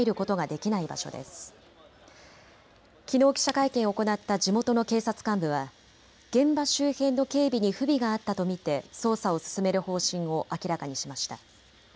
きのう記者会見を行った地元の警察幹部は現場周辺の警備に不備があったと見て捜査を進める方針を明らかにしました。